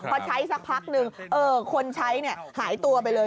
พอใช้สักพักนึงคนใช้หายตัวไปเลย